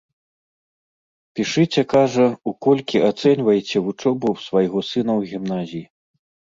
Пішыце, кажа, у колькі ацэньвайце вучобу свайго сына ў гімназіі.